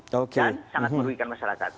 dan sangat merugikan masyarakat